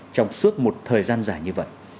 trong suốt một thời gian dài như vậy